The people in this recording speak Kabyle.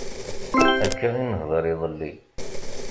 Akka i nehder iḍelli.